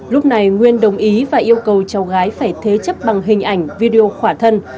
lúc này nguyên đồng ý và yêu cầu cháu gái phải thế chấp bằng hình ảnh video khỏa thân